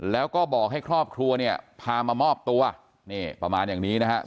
แล้วก็บอกให้ครอบครัวเนี่ยพามามอบตัวนี่ประมาณอย่างนี้นะครับ